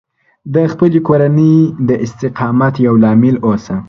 د خپلې کورنۍ د استقامت یو لامل اوسه